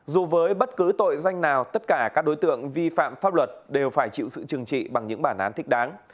dù với bất cứ tội danh nào tất cả các đối tượng vi phạm pháp luật đều phải chịu sự trừng trị bằng những bản án thích đáng